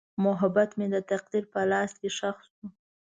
محبت مې د تقدیر په لاس ښخ شو.